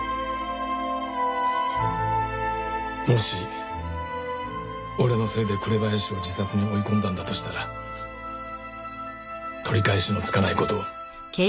もし俺のせいで紅林を自殺に追い込んだんだとしたら取り返しのつかない事を。